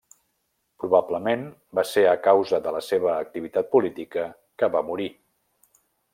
Probablement, va ser a causa de la seva activitat política que va morir.